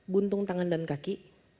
buntung tangan dan kaki